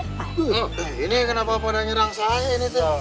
ini kenapa pada nyerang saya ini tuh